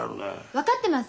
分かってます。